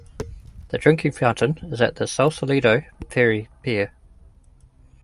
The drinking fountain is at the Sausalito Ferry Pier.